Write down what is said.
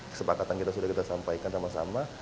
kesepakatan kita sudah kita sampaikan sama sama